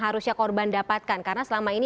harusnya korban dapatkan karena selama ini